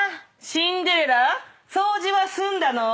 シンデレラ掃除は済んだの？